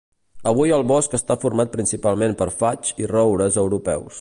Avui el bosc està format principalment per faigs i roures europeus.